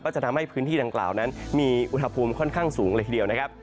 จะทำให้พื้นที่ดังกล่าวนั้นมีอุณหภูมิค่อนข้างสูงเลยทีเดียวนะครับ